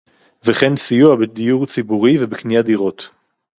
וכן סיוע בדיור ציבורי ובקניית דירות